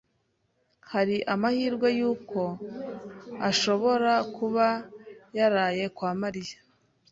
Hari amahirwe yuko ashobora kuba yaraye kwa Mariya?